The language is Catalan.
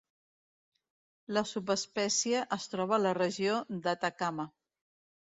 La subespècie es troba a la Regió d'Atacama.